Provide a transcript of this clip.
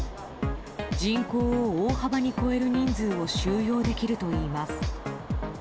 人口を大幅に超える人数を収容できるといいます。